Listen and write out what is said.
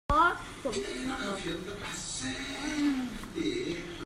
Not very Quick.